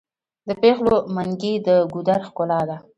د پیغلو منګي د ګودر ښکلا ده.